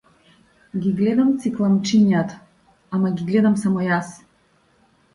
Ги гледам цикламчињата, ама ги гледам само јас.